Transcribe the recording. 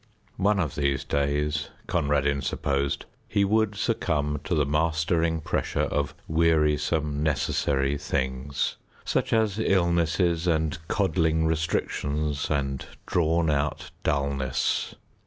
One of these days Conradin supposed he would succumb to the mastering pressure of wearisome necessary things such as illnesses and coddling restrictions and drawn out dullness.